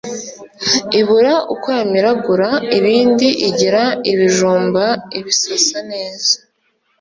Ibura uko yamiragura ibindi, Igira ibijumba ibisasa neza: